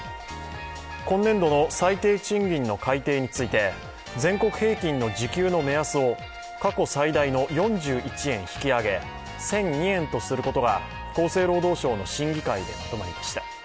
今年度の最低賃金の改定について、全国平均の時給の目安を過去最大の４１円引き上げ１００２円とすることが厚生労働省の審議会でまとまりました。